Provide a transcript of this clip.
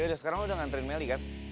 yaudah sekarang lo udah ngantriin meli kan